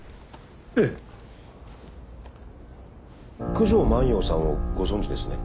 九条万葉さんをご存じですね？